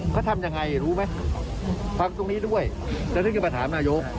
เขาทำยังไงรู้ไหมฟังตรงนี้ด้วยจะขึ้นไปถามนายก